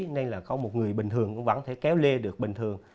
nên là có một người bình thường cũng vẫn thể kéo lê được bình thường